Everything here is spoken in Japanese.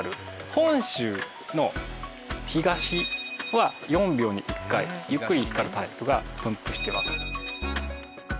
本州の東は４秒に１回ゆっくり光るタイプが分布してます。